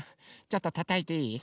ちょっとたたいていい？